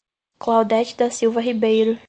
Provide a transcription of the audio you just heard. Claudete da Silva Ribeiro